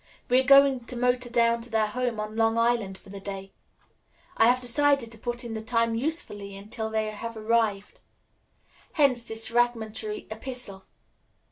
We are going to motor down to their home on Long Island for the day. I have decided to put in the time usefully until they have arrived. Hence this fragmentary epistle.